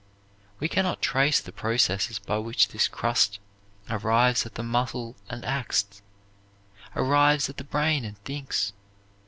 We can not trace the processes by which this crust arrives at the muscle and acts, arrives at the brain and thinks.